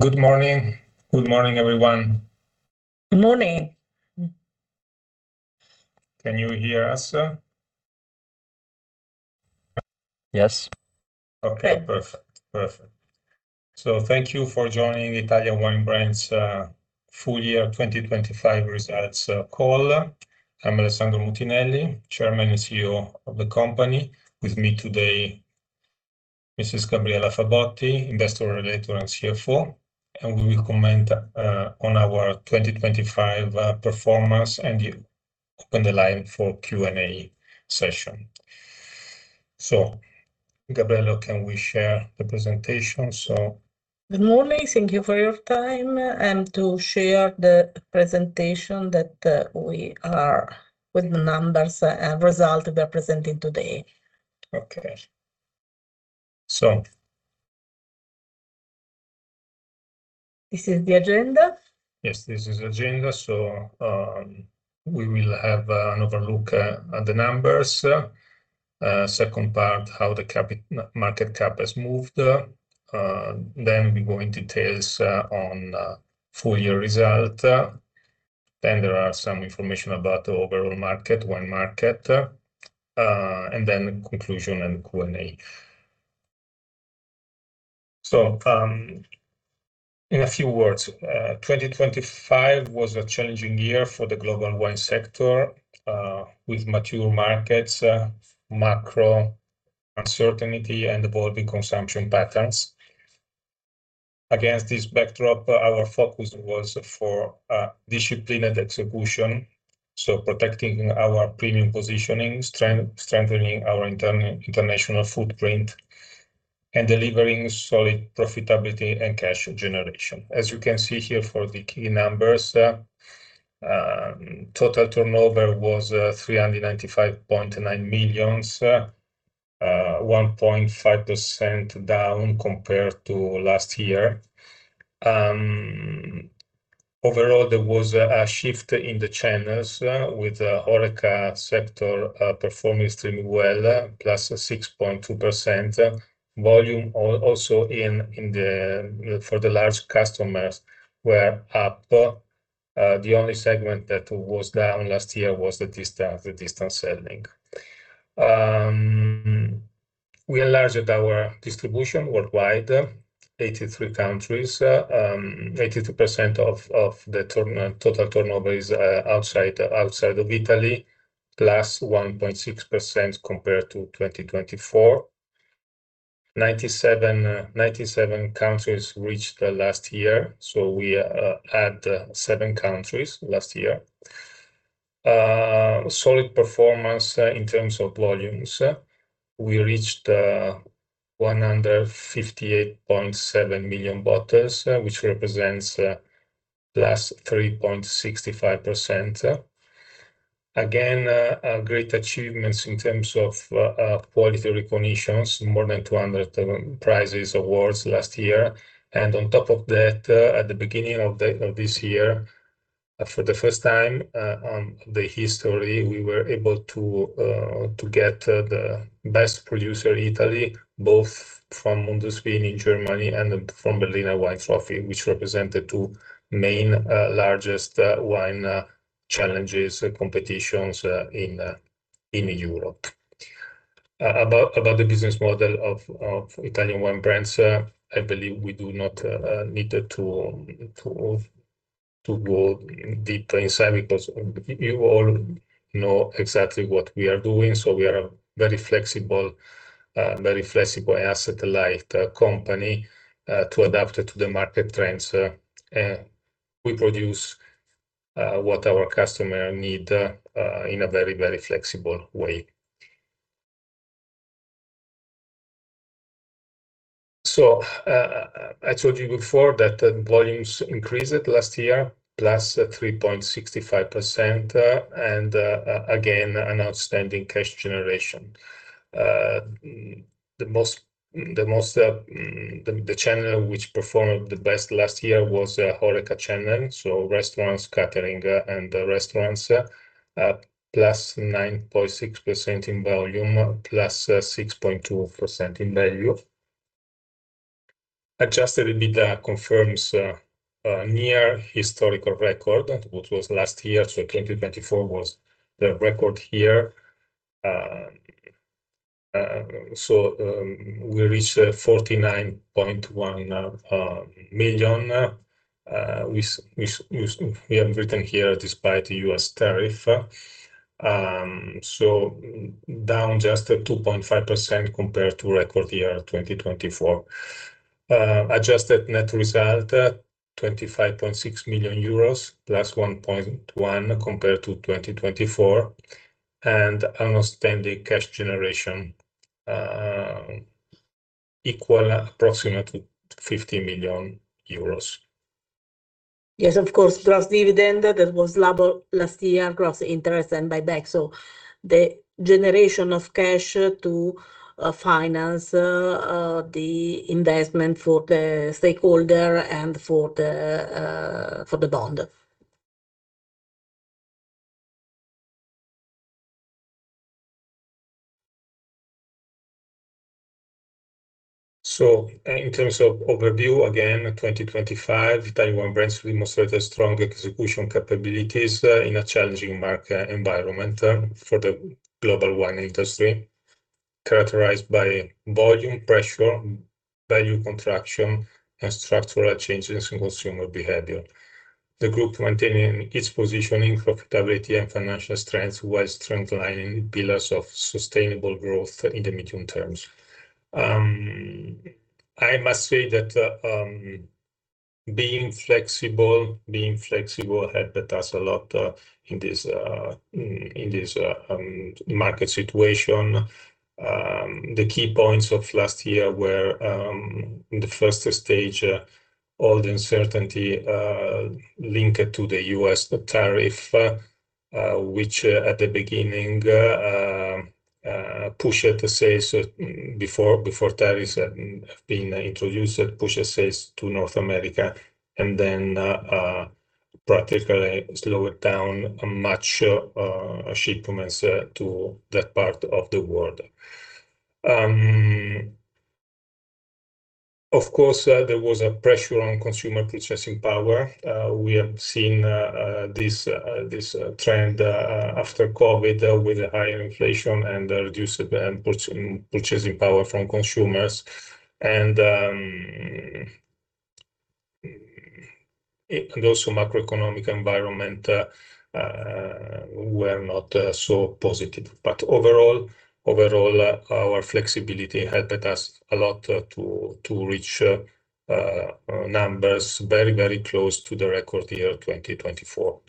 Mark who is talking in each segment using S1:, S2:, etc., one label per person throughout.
S1: Good morning. Good morning, everyone.
S2: Good morning.
S1: Can you hear us?
S3: Yes.
S1: Okay. Perfect. Thank you for joining Italian Wine Brands full year 2025 results call. I'm Alessandro Mutinelli, Chairman and CEO of the company. With me today, Mrs. Gabriella Fabotti, Investor Relations and CFO, and we will comment on our 2025 performance and open the line for Q&A session. Gabriella, can we share the presentation?
S2: Good morning. Thank you for your time and to share the presentation that we are with the numbers and results we are presenting today.
S1: Okay.
S2: This is the agenda.
S1: Yes, this is agenda. We will have an overview at the numbers. Second part, how the market cap has moved. We go in details on full year result. There are some information about the overall market, wine market, and then conclusion and Q&A. In a few words, 2025 was a challenging year for the global wine sector, with mature markets, macro uncertainty and evolving consumption patterns. Against this backdrop, our focus was for disciplined execution, so protecting our premium positioning, strengthening our international footprint and delivering solid profitability and cash generation. As you can see here for the key numbers, total turnover was 395.9 million, 1.5% down compared to last year. Overall, there was a shift in the channels with HORECA sector performing extremely well, +6.2% volume also in the large customers were up. The only segment that was down last year was the distance selling. We enlarged our distribution worldwide, 83 countries. 82% of the total turnover is outside of Italy, +1.6% compared to 2024. 97 countries reached last year, so we add seven countries last year. Solid performance in terms of volumes. We reached 158.7 million bottles, which represents +3.65%. Again, a great achievements in terms of quality recognitions, more than 200 prizes, awards last year. On top of that, at the beginning of this year, for the first time in history, we were able to get the best producer in Italy, both from Mundus Vini and from Berliner Wine Trophy, which represent the two largest wine competitions in Europe. About the business model of Italian Wine Brands, I believe we do not need to go deeper inside because you all know exactly what we are doing. We are very flexible asset light company to adapt to the market trends. We produce what our customer need in a very flexible way. I told you before that the volumes increased last year, +3.65%, and again, an outstanding cash generation. The channel which performed the best last year was HORECA channel, so restaurants, catering, and the restaurants, +9.6% in volume, +6.2% in value. Adjusted EBITDA confirms a near historical record, what was last year. 2024 was the record year. We reached 49.1 million. We have written here despite U.S. tariff. Down just 2.5% compared to record year 2024. Adjusted net result, 25.6 million euros +1.1% compared to 2024, and outstanding cash generation equal approximately 50 million euros.
S2: Yes, of course, plus dividend that was double last year, gross interest and buyback. The generation of cash to finance the investment for the stakeholder and for the bond.
S1: In terms of overview, again, 2025, Italian Wine Brands demonstrated strong execution capabilities in a challenging market environment for the global wine industry, characterized by volume pressure, value contraction and structural changes in consumer behavior. The group maintaining its positioning, profitability and financial strength while strengthening pillars of sustainable growth in the medium term. I must say that being flexible helped us a lot in this market situation. The key points of last year were in the first stage all the uncertainty linked to the U.S. tariff, which at the beginning pushed the sales before tariffs had been introduced, it pushed sales to North America and then practically slowed down shipments to that part of the world. Of course, there was a pressure on consumer purchasing power. We have seen this trend after COVID with higher inflation and reduced purchasing power from consumers. Macroeconomic environment were not so positive. Overall, our flexibility helped us a lot to reach numbers very close to the record year 2024.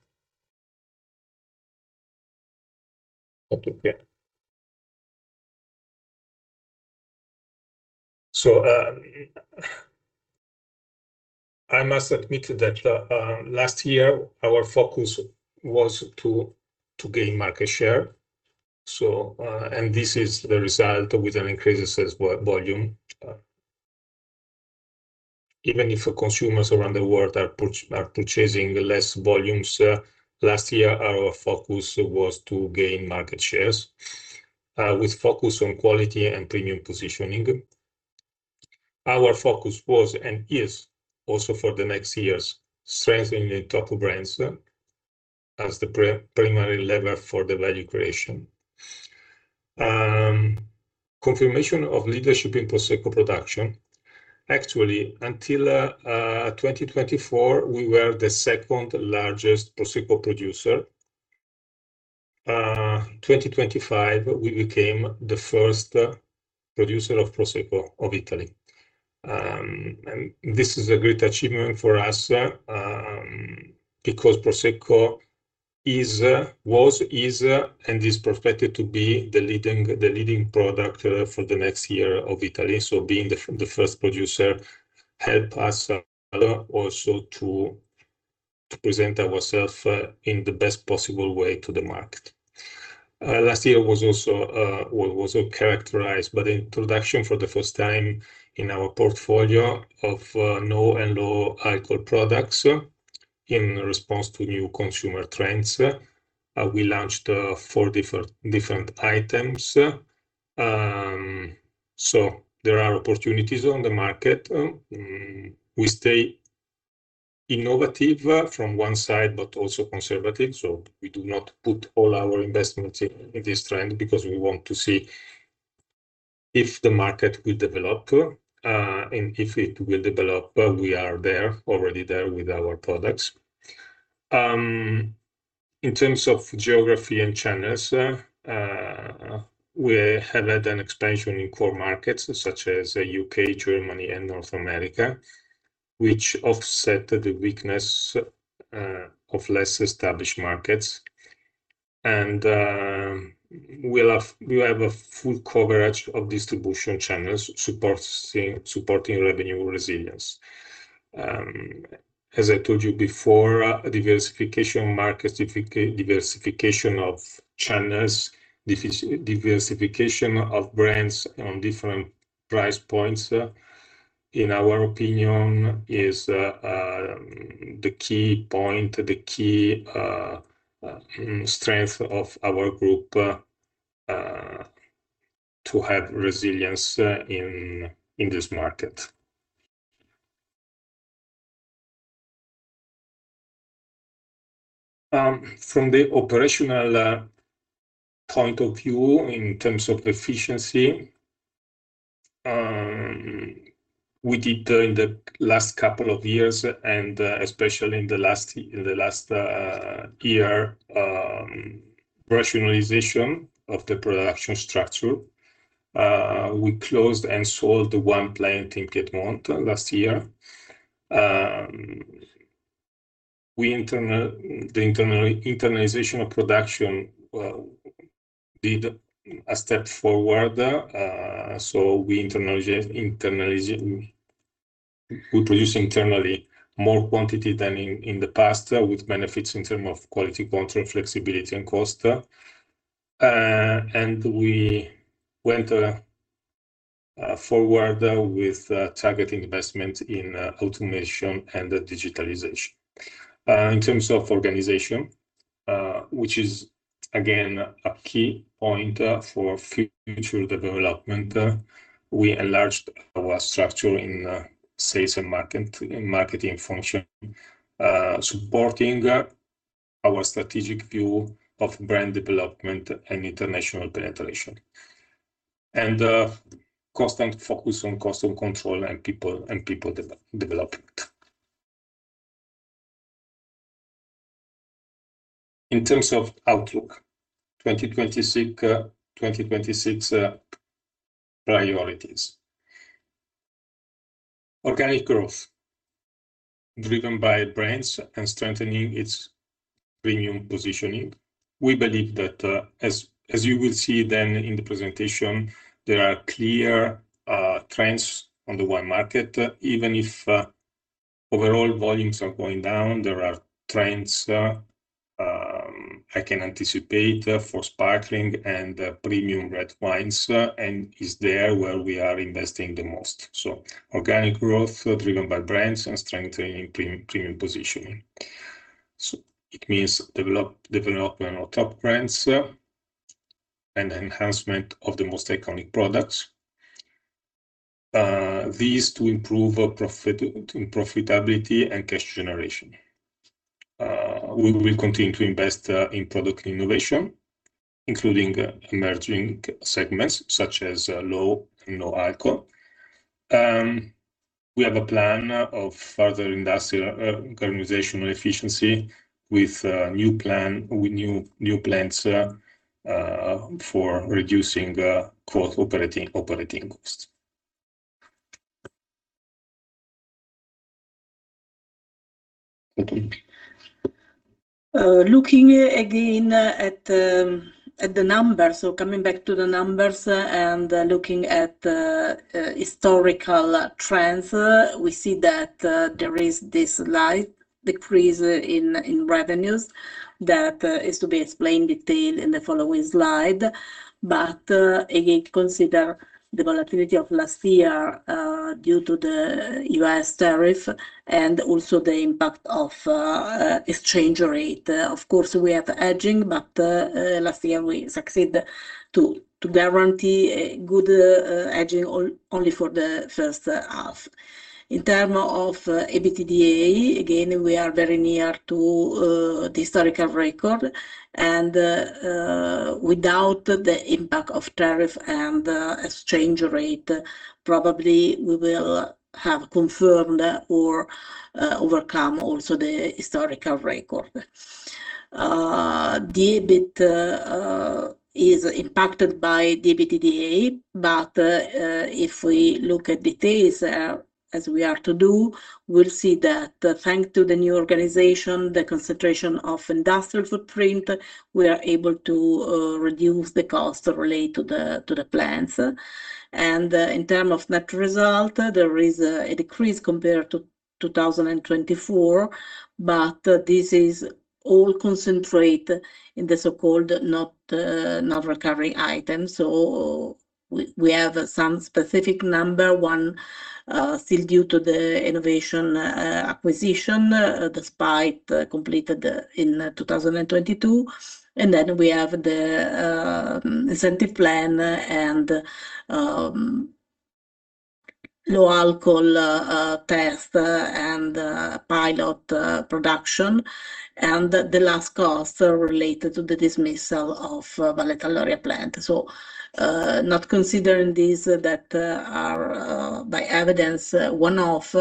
S1: I must admit that last year our focus was to gain market share. This is the result with an increased sales volume. Even if consumers around the world are purchasing less volumes, last year our focus was to gain market shares with focus on quality and premium positioning. Our focus was and is also for the next years strengthening the top brands as the primary lever for the value creation. Confirmation of leadership in Prosecco production. Actually, until 2024, we were the second-largest Prosecco producer. 2025, we became the first producer of Prosecco of Italy. This is a great achievement for us, because Prosecco is, was, is and is perfected to be the leading product for the next year of Italy. Being the first producer help us also to present ourself in the best possible way to the market. Last year was also characterized by the introduction for the first time in our portfolio of no and low alcohol products in response to new consumer trends. We launched four different items. There are opportunities on the market. We stay innovative from one side, but also conservative. We do not put all our investments in this trend because we want to see if the market will develop. If it will develop, we are there with our products. In terms of geography and channels, we have had an expansion in core markets such as U.K., Germany and North America, which offset the weakness of less established markets. We have a full coverage of distribution channels supporting revenue resilience. As I told you before, diversification of markets, diversification of channels, diversification of brands on different price points, in our opinion is the key strength of our group to have resilience in this market. From the operational point of view in terms of efficiency, we did in the last couple of years, and especially in the last year, rationalization of the production structure. We closed and sold one plant in Piedmont last year. The internationalization of production did a step forward. We produce internally more quantity than in the past with benefits in terms of quality control, flexibility and cost. We went forward with targeted investment in automation and digitalization. In terms of organization, which is again a key point for future development, we enlarged our structure in sales and marketing function, supporting our strategic view of brand development and international penetration. Constant focus on cost control and people development. In terms of outlook, 2026 priorities. Organic growth driven by brands and strengthening its premium positioning. We believe that, as you will see then in the presentation, there are clear trends on the wine market. Even if overall volumes are going down, there are trends I can anticipate for sparkling and premium red wines, and it's there where we are investing the most. Organic growth driven by brands and strengthening premium positioning. It means development of top brands and enhancement of the most iconic products. This to improve profitability and cash generation. We will continue to invest in product innovation, including emerging segments such as low and no alcohol. We have a plan of further industrial organizational efficiency with new plan. With new plants for reducing operating costs.
S2: Looking again at the numbers, coming back to the numbers and looking at historical trends, we see that there is this slight decrease in revenues that is to be explained detailed in the following slide. Again, consider the volatility of last year due to the U.S. tariff and also the impact of exchange rate. Of course, we have hedging, but last year we succeed to guarantee a good hedging only for the first half. In term of EBITDA, again, we are very near to the historical record and without the impact of tariff and exchange rate, probably we will have confirmed or overcome also the historical record. The EBIT is impacted by the EBITDA, but if we look at details, as we are to do, we'll see that thanks to the new organization, the concentration of industrial footprint, we are able to reduce the cost related to the plants. In terms of net result, there is a decrease compared to 2024, but this is all concentrated in the so-called not recurring items. We have some specific one still due to the innovation acquisition, despite completed in 2022. Then we have the incentive plan and low alcohol test and pilot production. The last cost related to the dismissal of Valtellina plant. Not considering these that are by evidence one-off,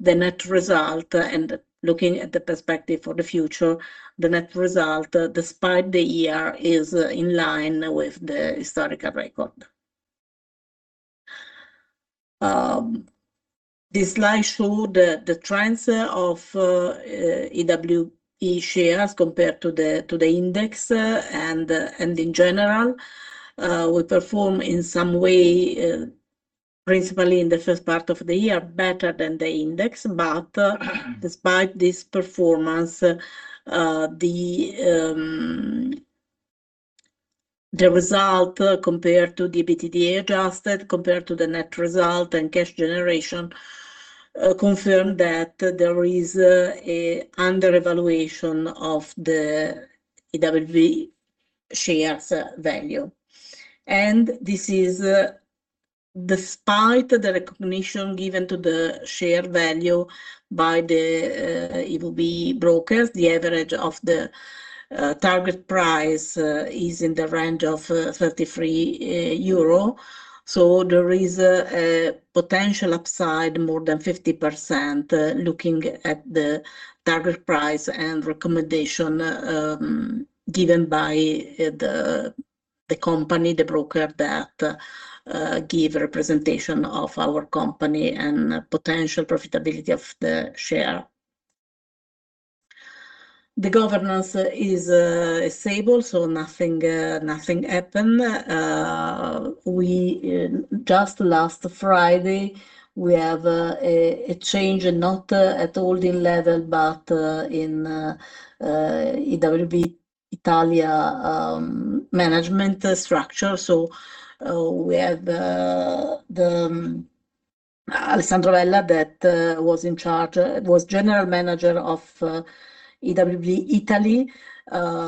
S2: the net result and looking at the perspective for the future, the net result despite the year is in line with the historical record. This slide shows the trends of IWB shares compared to the index. In general, we perform in some way principally in the first part of the year better than the index. Despite this performance, the result compared to the EBITDA adjusted compared to the net result and cash generation confirm that there is an underevaluation of the IWB shares value. This is despite the recognition given to the share value by the IWB brokers. The average of the target price is in the range of 33 euro. There is a potential upside more than 50%, looking at the target price and recommendation given by the company, the broker that give a representation of our company and potential profitability of the share. The governance is stable, nothing happened. Just last Friday, we have a change not at holding level, but in IWB Italia management structure. We have the Alessandro Vella that was in charge, was General Manager of IWB Italia,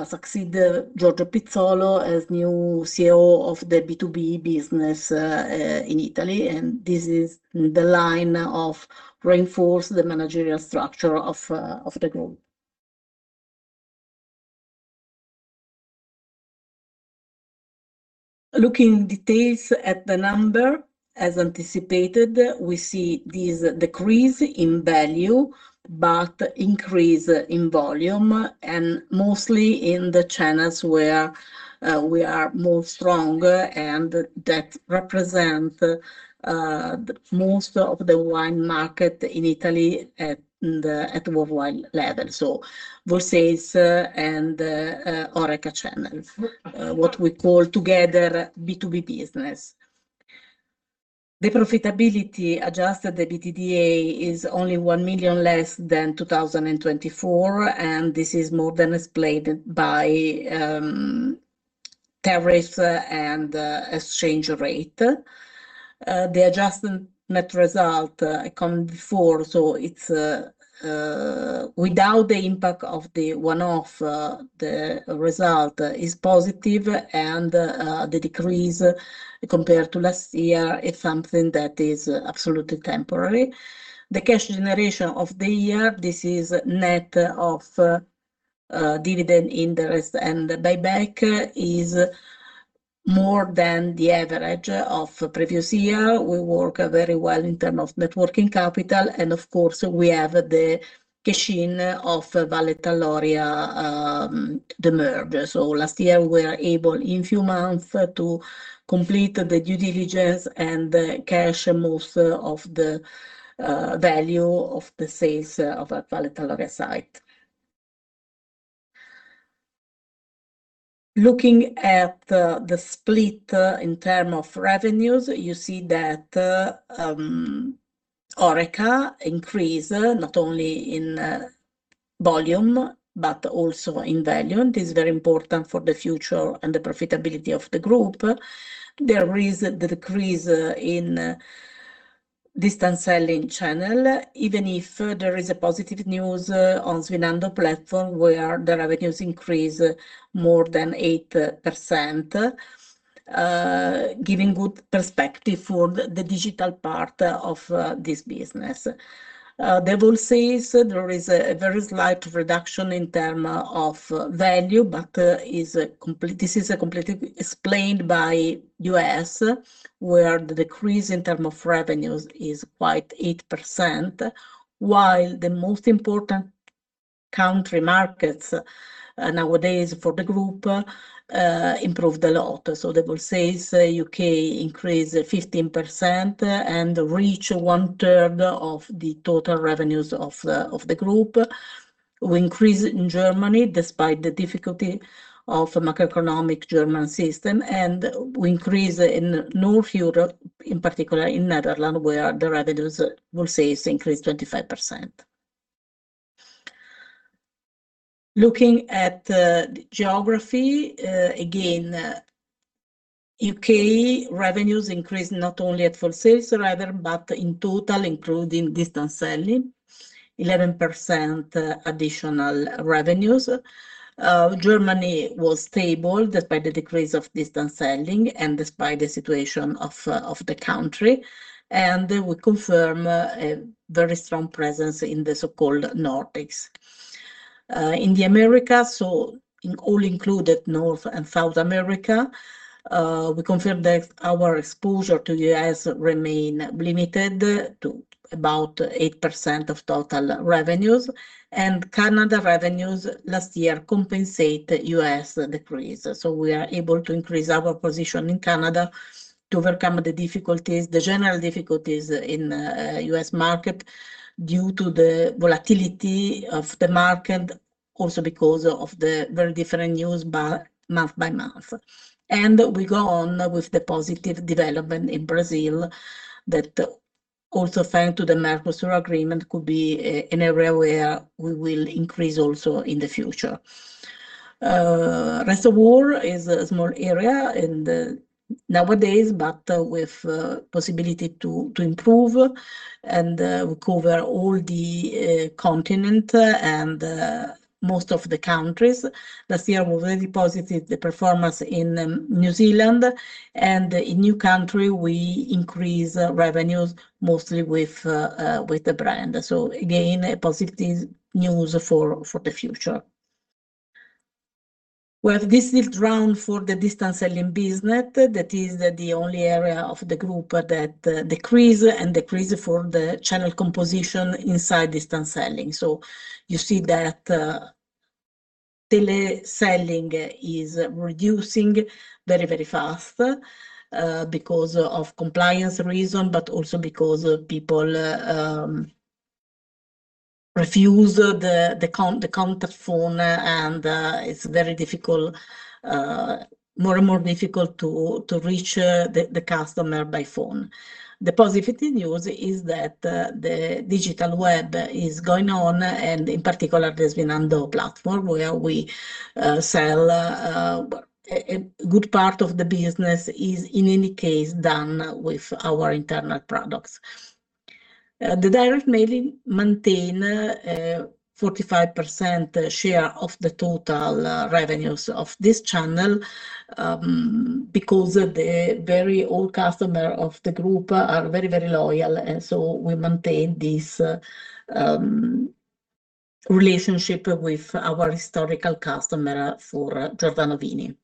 S2: succeed Giorgio Pizzolo as new CEO of the B2B business in Italy. This is the line of reinforce the managerial structure of the group. Looking in detail at the number, as anticipated, we see this decrease in value but increase in volume, and mostly in the channels where we are stronger and that represent most of the wine market in Italy at worldwide level. We'll say it's in HORECA channels, what we call together B2B business. The profitability adjusted EBITDA is only 1 million less than 2024, and this is more than explained by tariffs and exchange rate. The adjusted net result comes before. It's without the impact of the one-off, the result is positive and the decrease compared to last year is something that is absolutely temporary. The cash generation of the year, this is net of dividend interest and buyback, is more than the average of previous year. We work very well in terms of net working capital and of course we have the cash-in of Valtellina, the merger. Last year we were able in a few months to complete the due diligence and cash out most of the value of the sale of Valtellina site. Looking at the split in terms of revenues, you see that HORECA increase not only in volume but also in value, and this is very important for the future and the profitability of the group. There is the decrease in distance selling channel even if there is a positive news on Svinando platform where the revenues increase more than 8%, giving good perspective for the digital part of this business. The wholesale there is a very slight reduction in terms of value, this is completely explained by U.S. where the decrease in terms of revenues is quite 8%, while the most important country markets nowadays for the group improved a lot. The wholesale U.K. increased 15% and reach 1/3 of the total revenues of the group. We increase in Germany despite the difficulty of macroeconomic German system, and we increase in Northern Europe, in particular in Netherlands, where the revenues we'll say it's increased 25%. Looking at the geography again, U.K. revenues increased not only at wholesale rather, but in total including distance selling, 11% additional revenues. Germany was stable despite the decrease of distance selling and despite the situation of the country. We confirm a very strong presence in the so-called Nordics. In the Americas, in all included North and South America, we confirm that our exposure to U.S. remains limited to about 8% of total revenues. Canada revenues last year compensate U.S. decrease. We are able to increase our position in Canada to overcome the difficulties, the general difficulties in U.S. market due to the volatility of the market, also because of the very different news month by month. We go on with the positive development in Brazil that also thanks to the Mercosur agreement could be an area where we will increase also in the future. Rest of world is a small area nowadays, but with possibility to improve and we cover all the continent and most of the countries. Last year was very positive, the performance in New Zealand. In new country we increase revenues mostly with the brand. Again, a positive news for the future. Well, this is rundown for the distance selling business. That is the only area of the group that decreases for the channel composition inside distance selling. You see that teleselling is reducing very, very fast because of compliance reasons, but also because people refuse the phone contact and it's very difficult, more and more difficult to reach the customer by phone. The positive news is that the digital web is going on and in particular the Svinando platform where we sell a good part of the business is in any case done with our internet products. The direct mainly maintain 45% share of the total revenues of this channel, because the very old customer of the group are very, very loyal, and so we maintain this relationship with our historical customer for Giovanni.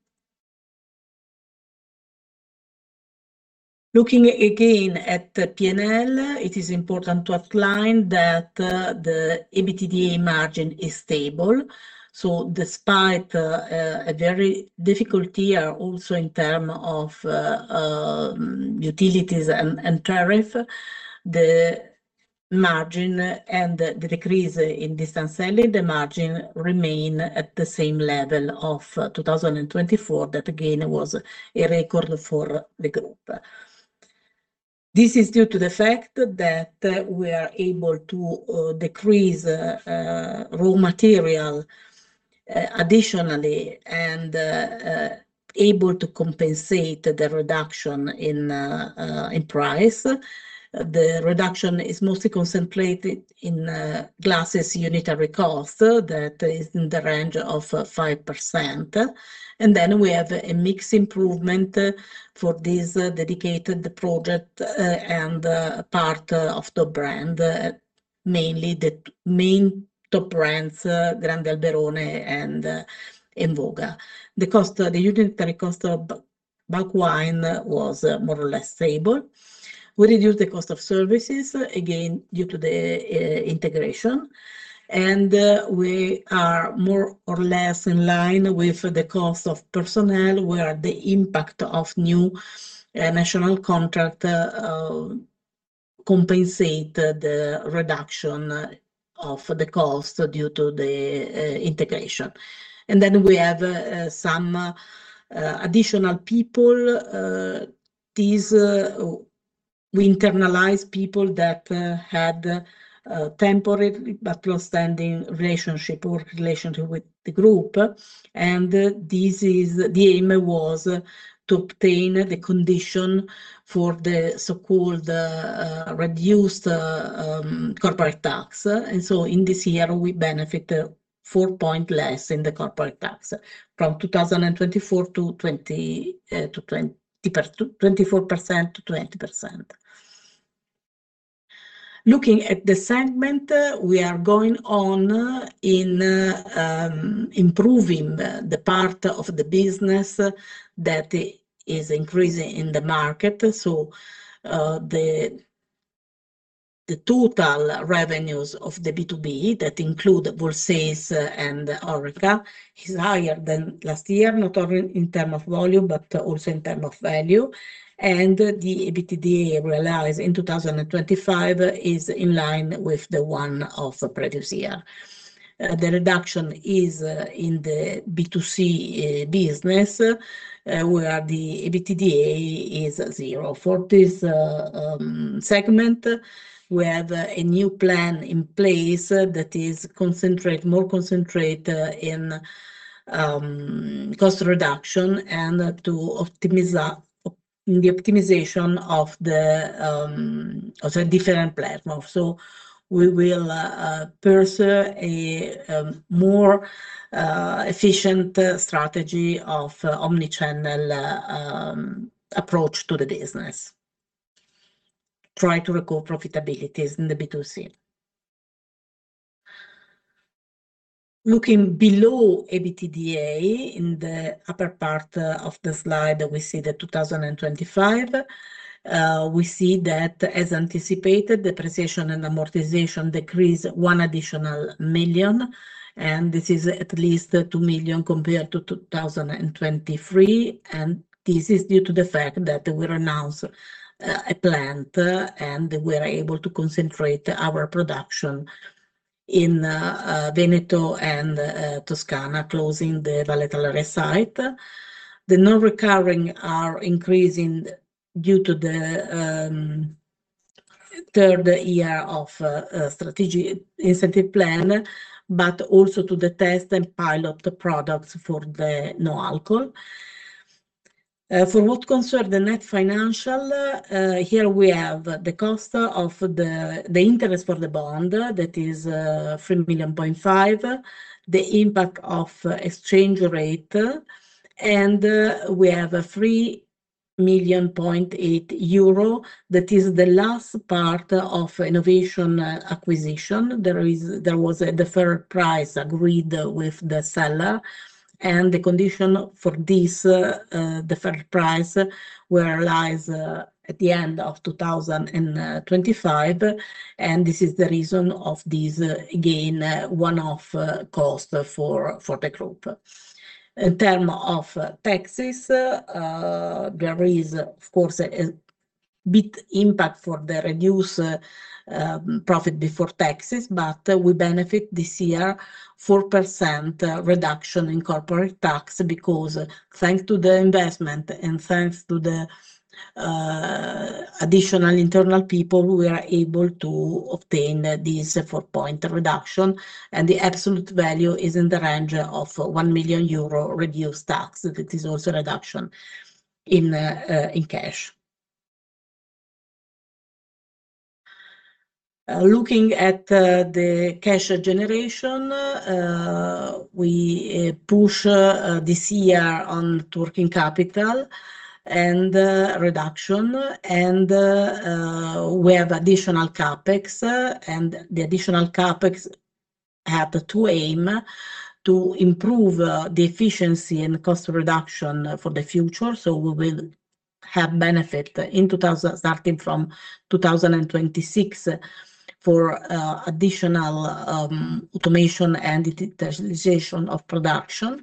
S2: Looking again at the PNL, it is important to outline that the EBITDA margin is stable. Despite a very difficult year also in terms of utilities and tariffs, the margin and the decrease in distance selling, the margin remain at the same level of 2024 that again was a record for the group. This is due to the fact that we are able to decrease raw material additionally and able to compensate the reduction in price. The reduction is mostly concentrated in glasses unit of recall. That is in the range of 5%. Then we have a mix improvement for this dedicated project and part of the brand mainly the top brands Grande Alberone and VOGA. The cost, the unitary cost of bulk wine was more or less stable. We reduced the cost of services again due to the integration, and we are more or less in line with the cost of personnel, where the impact of new national contract compensate the reduction of the cost due to the integration. We have some additional people. These we internalize people that had temporary but long-standing relationship with the group. The aim was to obtain the condition for the so-called reduced corporate tax. In this year, we benefit 4 points less in the corporate tax from 24% to 20%. Looking at the segment, we are going on in improving the part of the business that is increasing in the market. The total revenues of the B2B that include wholesale and HORECA is higher than last year, not only in terms of volume, but also in terms of value. The EBITDA realized in 2025 is in line with the one of the previous year. The reduction is in the B2C business where the EBITDA is zero for this segment. We have a new plan in place that is more concentrate in cost reduction and the optimization of the different platform. We will pursue a more efficient strategy of omnichannel approach to the business, try to recover profitabilities in the B2C. Looking below EBITDA in the upper part of the slide, we see that 2025. We see that as anticipated, depreciation and amortization decrease 1 additional million, and this is at least 2 million compared to 2023, and this is due to the fact that we announced a plan and we are able to concentrate our production in Veneto and Toscana, closing the Valtellina site. The non-recurring are increasing due to the third year of strategic incentive plan, but also to the test and pilot products for the no alcohol. For what concerns the net financial, here we have the cost of the interest for the bond that is 3.5 million, the impact of exchange rate, and we have a 3.8 million that is the last part of Enovation acquisition. There was a deferred price agreed with the seller and the condition for this deferred price which lies at the end of 2025, and this is the reason of this, again, one-off cost for the group. In terms of taxes, there is of course a bit of impact for the reduced profit before taxes, but we benefit this year 4% reduction in corporate tax because thanks to the investment and thanks to the additional internal people, we are able to obtain this 4-point reduction, and the absolute value is in the range of 1 million euro reduced tax. That is also a reduction in cash. Looking at the cash generation, we push this year on working capital and reduction and we have additional CapEx, and the additional CapEx have two aims to improve the efficiency and cost reduction for the future. We will have benefit starting from 2026 for additional automation and digitalization of production.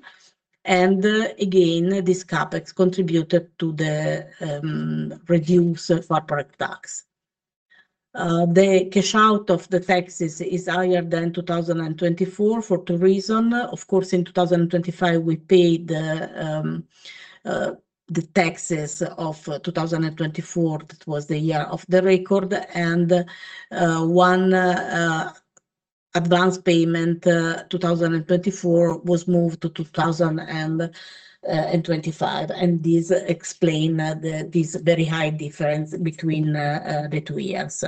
S2: Again, this CapEx contributed to the reduced corporate tax. The cash out of the taxes is higher than 2024 for two reasons. Of course, in 2025, we paid the taxes of 2024. That was the year of the record. One advance payment 2024 was moved to 2025, and this explains the this very high difference between the two years.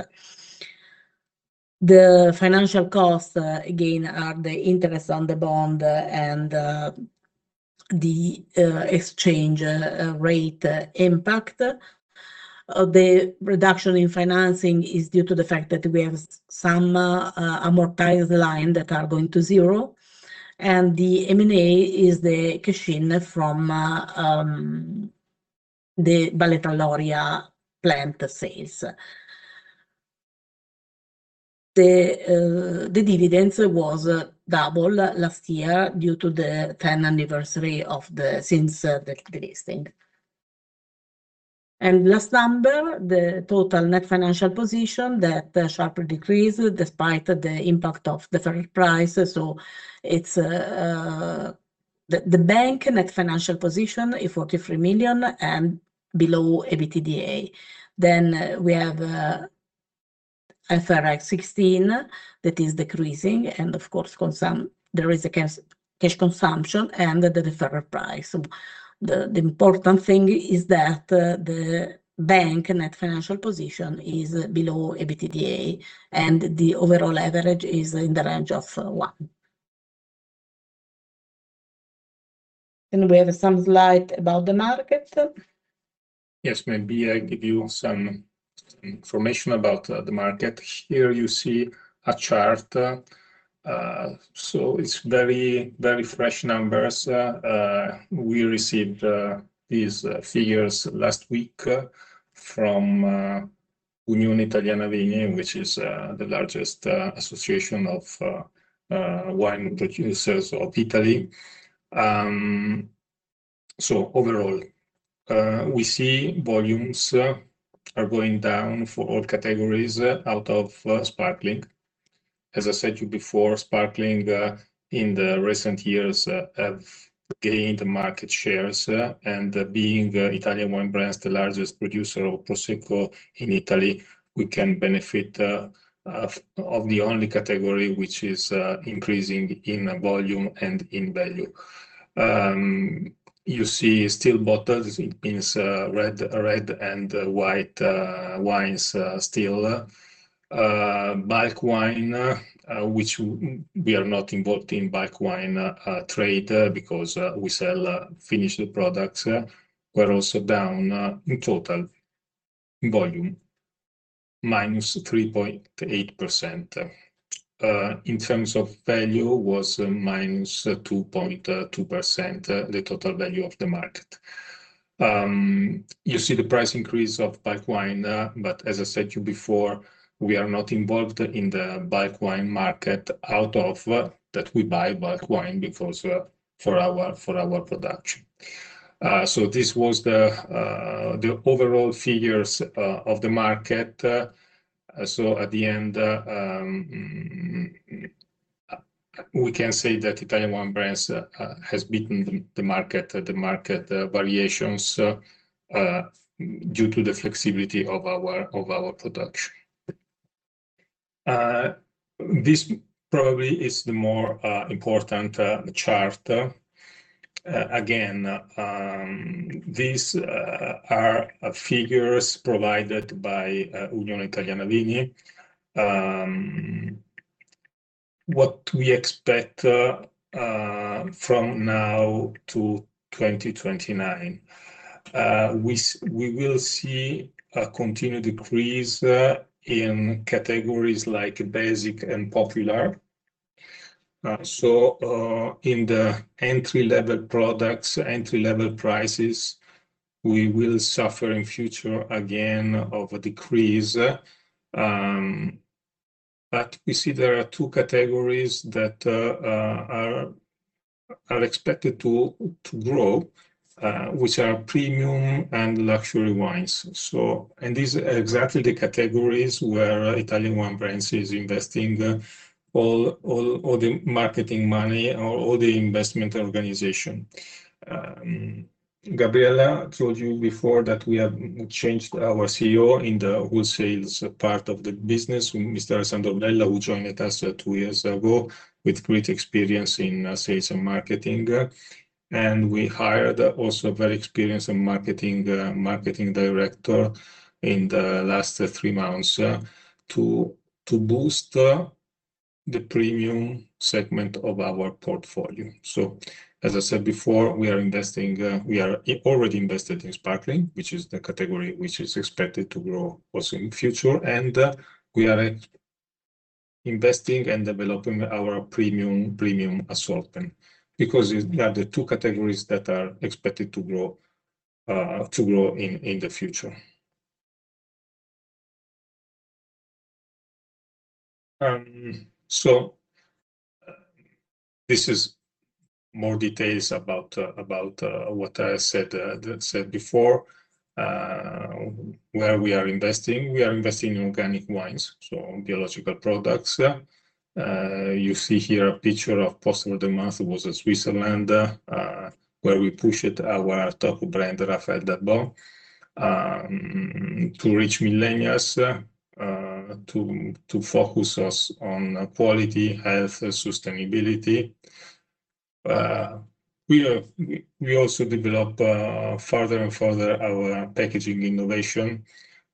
S2: The financial costs again are the interest on the bond and the exchange rate impact. The reduction in financing is due to the fact that we have some amortized lines that are going to zero, and the M&A is the cash-in from the Valtellina plant sales. The dividends were double last year due to the tenth anniversary since the listing. Last number, the total net financial position that sharply decreased despite the impact of deferred taxes. It's the net financial position is 43 million and below EBITDA. We have IFRS 16 that is decreasing and of course cash consumption and the deferred price. The important thing is that the net financial position is below EBITDA, and the overall leverage is in the range of one. We have some slides about the market.
S1: Yes. Maybe I give you some information about the market. Here you see a chart. It's very fresh numbers. We received these figures last week from Unione Italiana Vini, which is the largest association of wine producers of Italy. Overall, we see volumes are going down for all categories out of sparkling. As I said to you before, sparkling in the recent years have gained market shares, and being Italian Wine Brands, the largest producer of Prosecco in Italy, we can benefit of the only category which is increasing in volume and in value. You see still bottles. It means red and white wines still. Bulk wine, which we are not involved in bulk wine trade because we sell finished products, were also down in total volume, minus 3.8%. In terms of value, it was minus 2.2% the total value of the market. You see the price increase of bulk wine, but as I said to you before, we are not involved in the bulk wine market. We buy bulk wine because for our production. This was the overall figures of the market. At the end, we can say that Italian Wine Brands has beaten the market variations due to the flexibility of our production. This probably is the more important chart. Again, these are figures provided by Unione Italiana Vini. What we expect from now to 2029, we will see a continued decrease in categories like basic and popular. In the entry-level products, entry-level prices, we will suffer in future again of a decrease. We see there are two categories that are expected to grow, which are premium and luxury wines. These are exactly the categories where Italian Wine Brands is investing all the marketing money, all the investment organization. Gabriella told you before that we have changed our CEO in the wholesale part of the business with Mr. Alessandro Vella, who joined us two years ago with great experience in sales and marketing. We hired also a very experienced in marketing marketing director in the last three months to boost the premium segment of our portfolio. As I said before, we are investing, we are already invested in sparkling, which is the category which is expected to grow also in future. We are investing and developing our premium assortment because it. They are the two categories that are expected to grow to grow in the future. This is more details about what I said before where we are investing. We are investing in organic wines, so biological products. You see here a picture of product of the month. It was in Switzerland where we pushed our top brand, Raffaello, to reach millennials to focus on quality, health, and sustainability. We also develop further and further our packaging innovation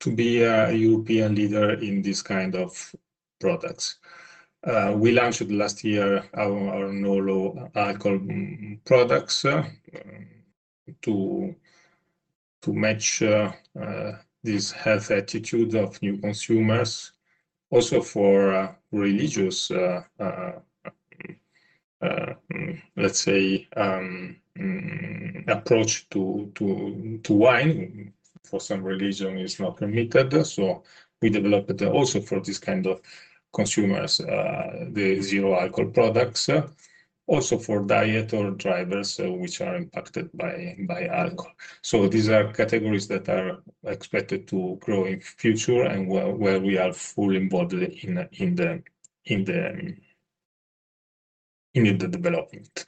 S1: to be a European leader in this kind of products. We launched last year our no and low alcohol products to match this health attitude of new consumers. For religious, let's say, approach to wine. For some religion is not permitted, so we developed also for this kind of consumers the zero alcohol products. For dieters or drivers which are impacted by alcohol. These are categories that are expected to grow in future and where we are fully involved in the development.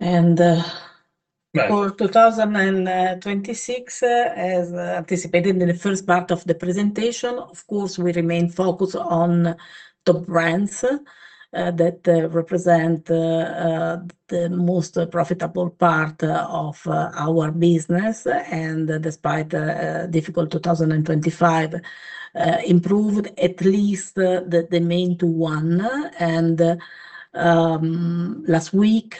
S2: And, uh-
S1: Right...
S2: for 2026, as anticipated in the first part of the presentation, of course, we remain focused on top brands that represent the most profitable part of our business. Despite a difficult 2025, improved at least the main 21. Last week,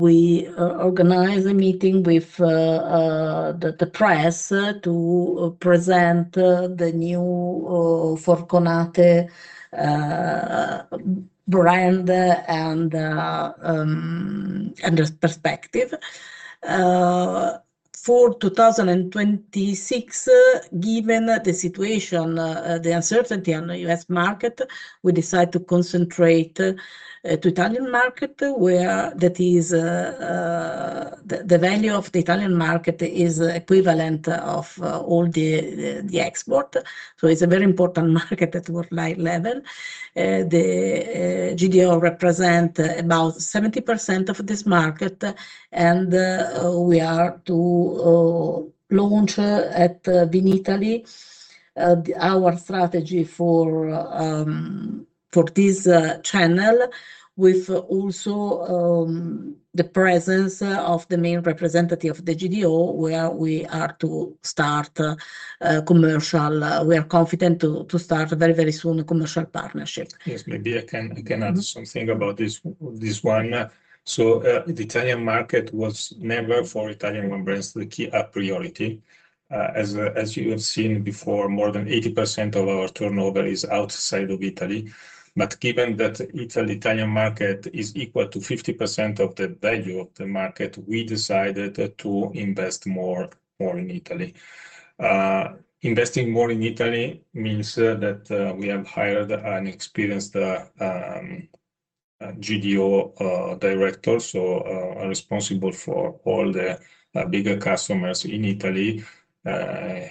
S2: we organized a meeting with the press to present the new Le Forconate brand and perspective. For 2026, given the situation, the uncertainty on the U.S. market, we decide to concentrate on the Italian market where that is, the value of the Italian market is equivalent to all the export. It's a very important market at worldwide level. The GDO represent about 70% of this market, and we are to launch at Vinitaly our strategy for this channel with also the presence of the main representative of the GDO. We are confident to start very, very soon a commercial partnership.
S1: Yes.
S2: Mm-hmm
S1: I can add something about this one. The Italian market was never for Italian Wine Brands the key priority. As you have seen before, more than 80% of our turnover is outside of Italy. Given that the Italian market is equal to 50% of the value of the market, we decided to invest more in Italy. Investing more in Italy means that we have hired an experienced GDO director, so responsible for all the bigger customers in Italy.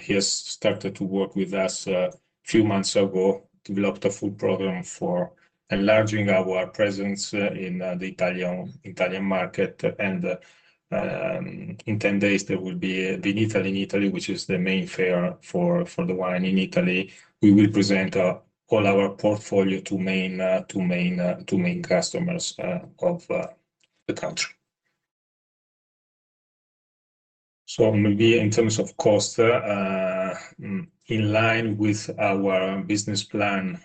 S1: He has started to work with us a few months ago, developed a full program for enlarging our presence in the Italian market. In 10 days there will be Vinitaly in Italy, which is the main fair for the wine in Italy. We will present all our portfolio to main customers of the country. Maybe in terms of cost, in line with our business plan,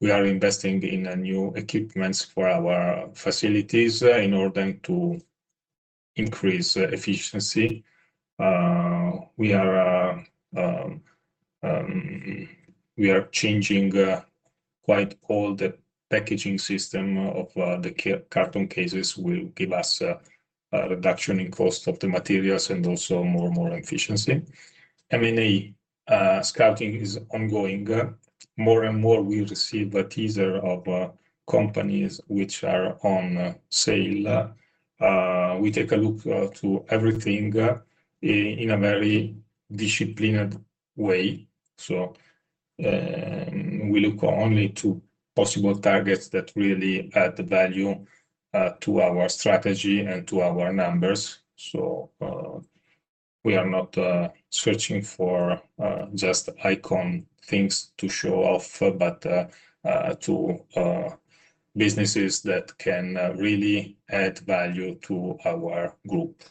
S1: we are investing in new equipment for our facilities in order to increase efficiency. We are changing quite all the packaging system of the carton cases, which will give us a reduction in cost of the materials and also more and more efficiency. M&A scouting is ongoing. More and more we receive a teaser of companies which are on sale. We take a look to everything in a very disciplined way. We look only to possible targets that really add value to our strategy and to our numbers. We are not searching for just iconic things to show off, but to businesses that can really add value to our group.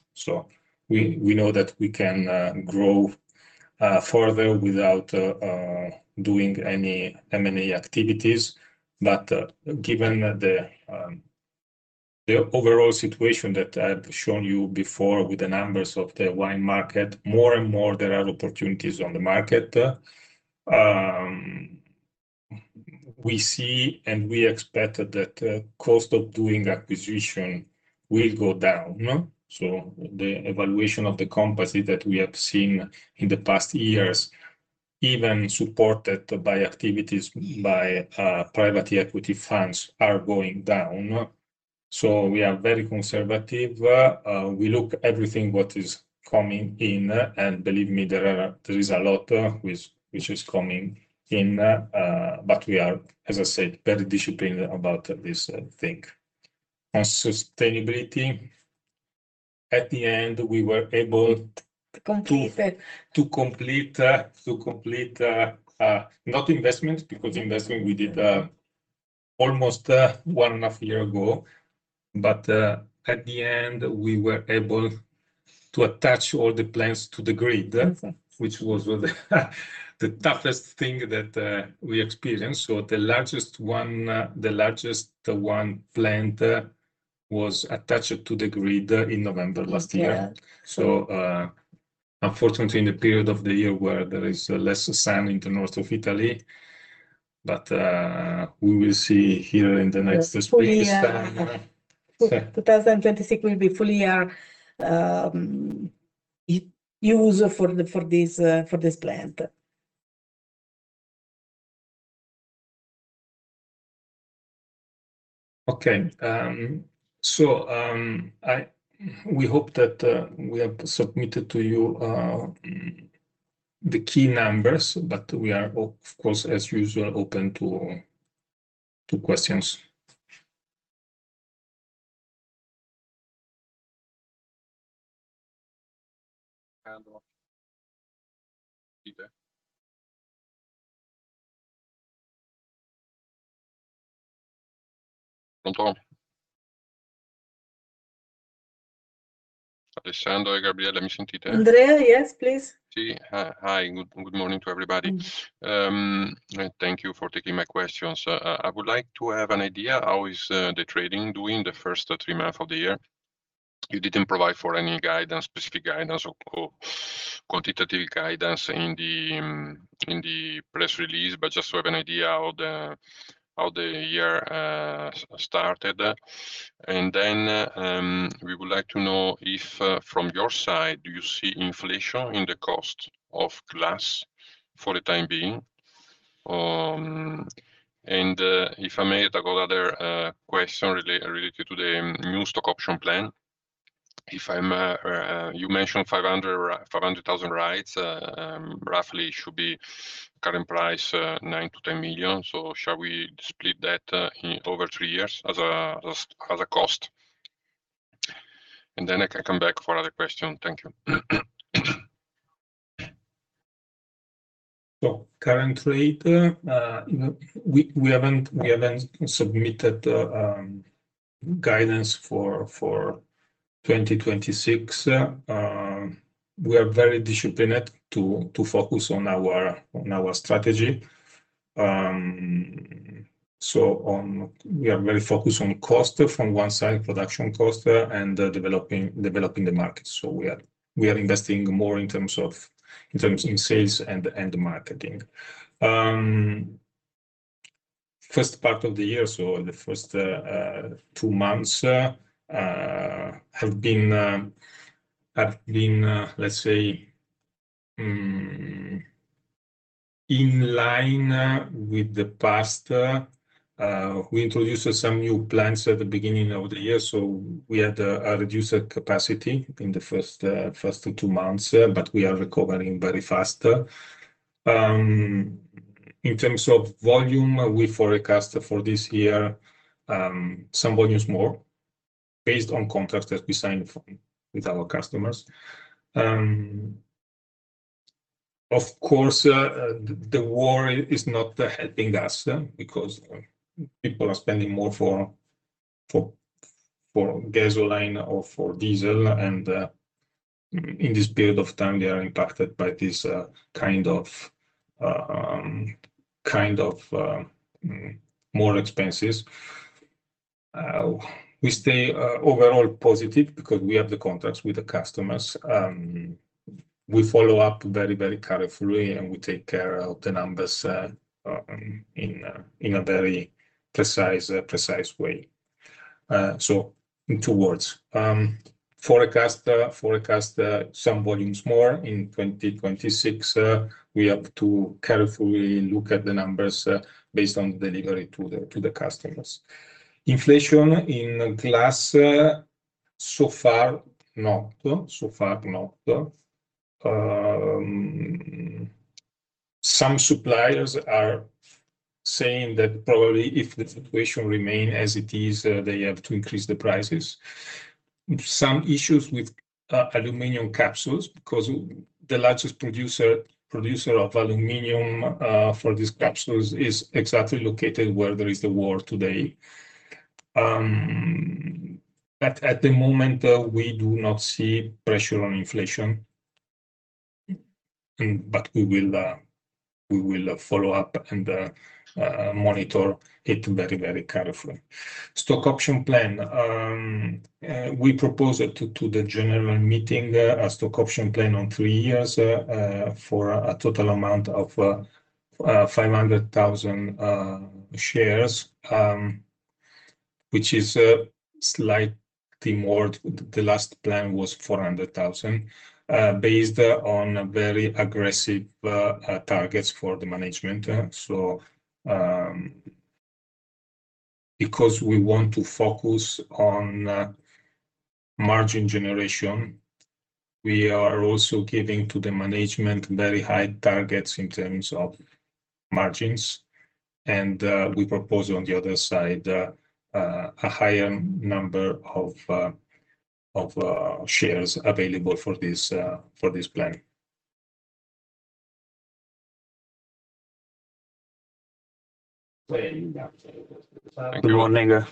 S1: We know that we can grow further without doing any M&A activities. Given the overall situation that I've shown you before with the numbers of the wine market, more and more there are opportunities on the market. We see and we expect that costs of doing acquisitions will go down. The valuations of the companies that we have seen in the past years, even supported by activities by private equity funds, are going down. We are very conservative. We look at everything that is coming in, and believe me, there is a lot which is coming in. We are, as I said, very disciplined about this thing. Sustainability, at the end, we were able to
S2: To complete it....
S1: not investment, because investment we did almost 1.5 year ago. At the end we were able to attach all the plants to the grid, which was the toughest thing that we experienced. The largest plant was attached to the grid in November last year.
S2: Yeah.
S1: Unfortunately in the period of the year where there is less sun in the north of Italy, but we will see here in the next spring.
S2: Fully...
S1: So-
S2: 2026 will be fully used for this plant.
S1: Okay. We hope that we have submitted to you the key numbers, but we are of course, as usual, open to questions.
S4: Alessandro and Gabriella.
S2: Andrea, yes, please.
S4: Yes. Hi, good morning to everybody. And thank you for taking my questions. I would like to have an idea how the trading is doing the first three months of the year. You didn't provide for any guidance, specific guidance or quantitative guidance in the press release, but just to have an idea how the year started. Then, we would like to know if, from your side, do you see inflation in the cost of glass for the time being? And, if I may, I got another question related to the new stock option plan. You mentioned 500,000 rights, roughly should be current price, 9 million-10 million. Shall we split that in over three years as a cost? Then I can come back for other question. Thank you.
S1: Currently, we haven't submitted guidance for 2026. We are very disciplined to focus on our strategy. We are very focused on cost from one side, production cost, and developing the market. We are investing more in terms of sales and marketing. First part of the year, the first two months have been, let's say, in line with the past. We introduced some new plants at the beginning of the year, so we had a reduced capacity in the first two months, but we are recovering very fast. In terms of volume, we forecast for this year some volumes more based on contracts that we signed with our customers. Of course, the war is not helping us because people are spending more for gasoline or for diesel and in this period of time they are impacted by this kind of more expenses. We stay overall positive because we have the contracts with the customers. We follow up very carefully and we take care of the numbers in a very precise way. So in two words, forecast some volumes more in 2026. We have to carefully look at the numbers based on delivery to the customers. Inflation in glass so far not. So far not. Some suppliers are saying that probably if the situation remain as it is, they have to increase the prices. Some issues with aluminum capsules because the largest producer of aluminum for these capsules is exactly located where there is the war today. At the moment, we do not see pressure on inflation. We will follow up and monitor it very carefully. Stock option plan. We propose it to the general meeting a stock option plan on three years for a total amount of 500,000 shares, which is slightly more. The last plan was 400,000 based on very aggressive targets for the management. Because we want to focus on margin generation, we are also giving to the management very high targets in terms of margins and we propose on the other side a higher number of shares available for this plan.
S5: Good morning.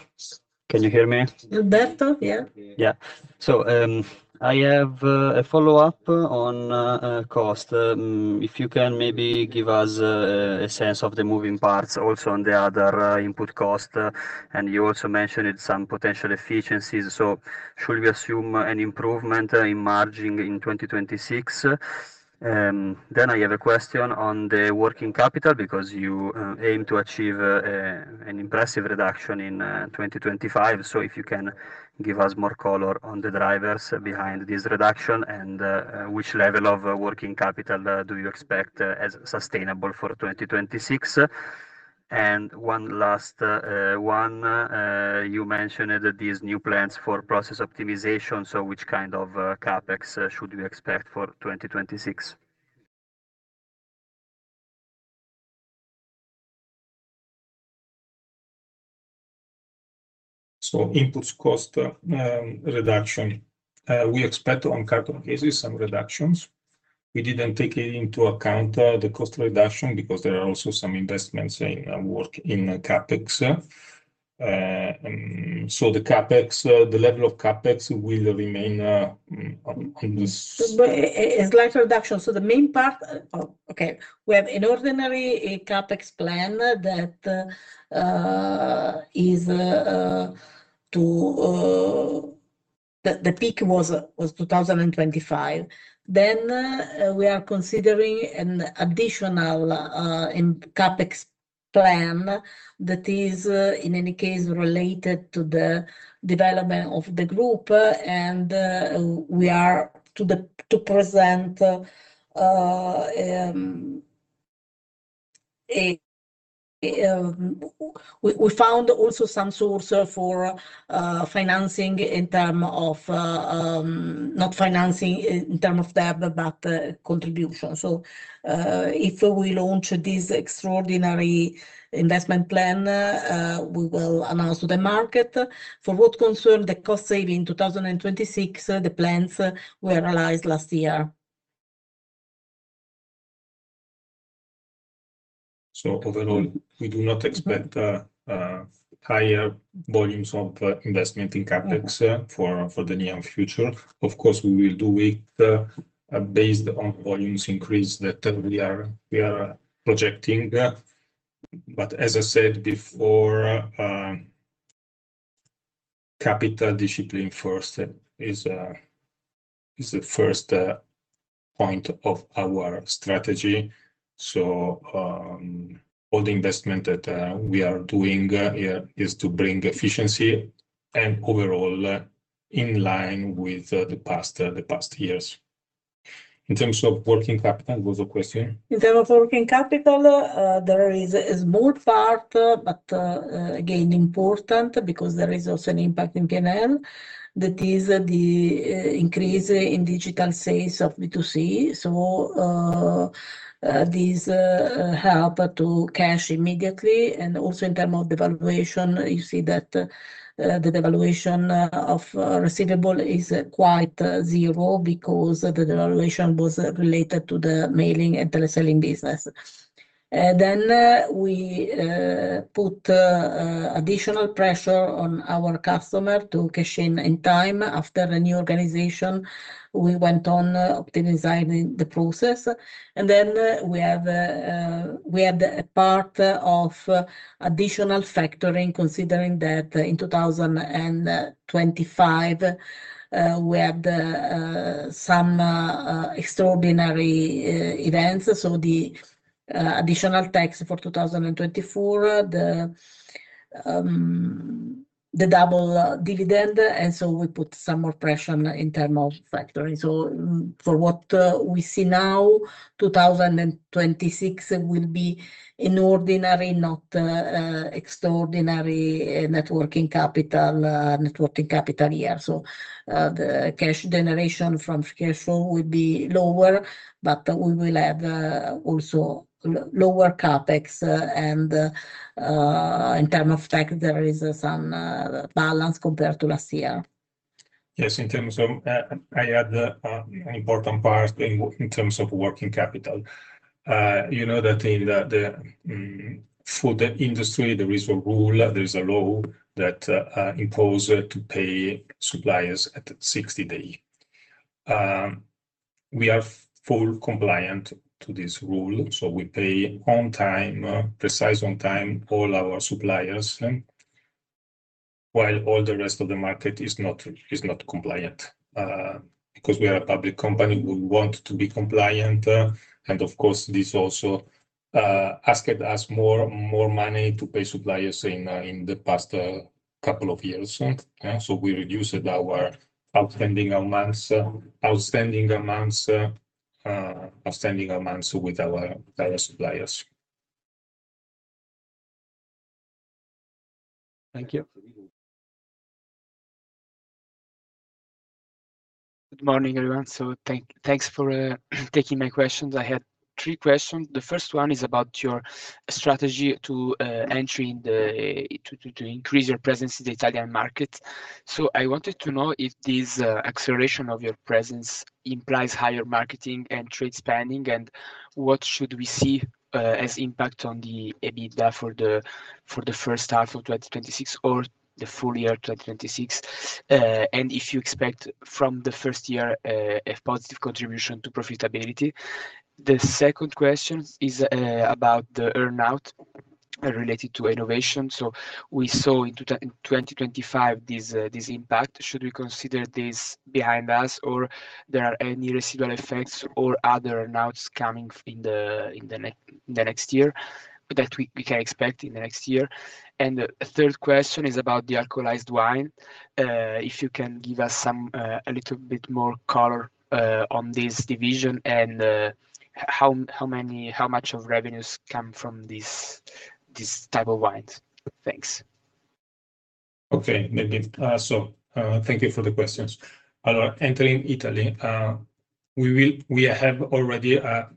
S5: Can you hear me?
S2: Roberto? Yeah.
S5: Yeah. I have a follow-up on cost. If you can maybe give us a sense of the moving parts also on the other input cost, and you also mentioned some potential efficiencies. Should we assume an improvement in margin in 2026? Then I have a question on the working capital because you aim to achieve an impressive reduction in 2025. If you can give us more color on the drivers behind this reduction and which level of working capital do you expect as sustainable for 2026? One last, you mentioned these new plans for process optimization, so which kind of CapEx should we expect for 2026?
S1: Inputs cost reduction. We expect on current cases some reductions. We didn't take it into account, the cost reduction because there are also some investments in CapEx. The CapEx, the level of CapEx will remain on this-
S2: Slight reduction. The main part. We have an ordinary CapEx plan that is to. The peak was 2025. We are considering an additional CapEx plan that is in any case related to the development of the group. We are to present. We found also some source for financing in terms of not financing in terms of debt, but contribution. If we launch this extraordinary investment plan, we will announce to the market. For what concerns the cost saving in 2026, the plans were analyzed last year.
S1: Overall, we do not expect higher volumes of investment in CapEx for the near future. Of course, we will do it based on volumes increase that we are projecting. As I said before, capital discipline first is the first point of our strategy. All the investment that we are doing here is to bring efficiency and overall in line with the past years. In terms of working capital, was the question?
S2: In terms of working capital, there is a small part, but again, important because there is also an impact in cash-in, that is the increase in digital sales of B2C. These help to cash immediately. Also in terms of devaluation, you see that the devaluation of receivables is quite zero because the devaluation was related to the mailing and teleselling business. We put additional pressure on our customers to cash in in time. After the new organization, we went on optimizing the process. We had a part of additional factoring considering that in 2025, we had some extraordinary events. The additional tax for 2024, the double dividend. We put some more pressure in terms of factoring. From what we see now, 2026 will be an ordinary, not extraordinary net working capital year. The cash generation from cash flow will be lower, but we will have also lower CapEx. In terms of fact, there is some balance compared to last year.
S1: Yes, in terms of it adds an important part in terms of working capital. You know that for the industry there is a rule, there is a law that imposes to pay suppliers at 60 days. We are fully compliant to this rule, so we pay on time, precisely on time all our suppliers. While all the rest of the market is not compliant. Because we are a public company, we want to be compliant. Of course, this also costs us more money to pay suppliers in the past couple of years. We reduced our outstanding amounts with our suppliers.
S5: Thank you.
S6: Good morning, everyone. Thanks for taking my questions. I had three questions. The first one is about your strategy to increase your presence in the Italian market. I wanted to know if this acceleration of your presence implies higher marketing and trade spending, and what should we see as impact on the EBITDA for the first half of 2026 or the full year 2026? If you expect from the first year a positive contribution to profitability. The second question is about the earn-out related to innovation. We saw in 2025 this impact. Should we consider this behind us, or there are any residual effects or other earn-outs coming in the next year that we can expect in the next year? The third question is about the dealcoholized wine. If you can give us a little bit more color on this division and how much of revenues come from this type of wine. Thanks.
S1: Thank you for the questions. Entering Italy, we already have